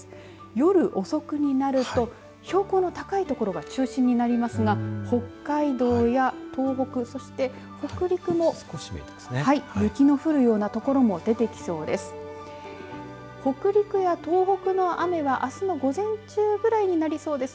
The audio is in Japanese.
夜遅くになると標高の高い所が中心になりますが北海道や東北、そして北陸も雪の降るような所も出てきそうです。